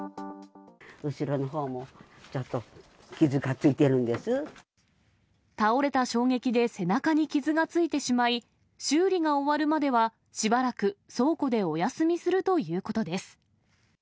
後ろのほうも、ちょっと傷が倒れた衝撃で背中に傷がついてしまい、修理が終わるまでは、しばらく倉庫でお休みするということです。